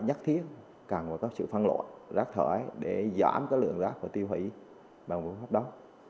nhắc thiết cần phải có sự phân loại rác thở để giảm cái lượng rác của tiêu hủy bằng phương pháp đó